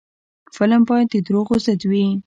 فلم باید د دروغو ضد وي